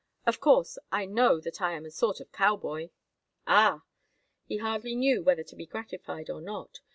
Of course, I know that I am a sort of cowboy." "Ah!" He hardly knew whether to be gratified or not.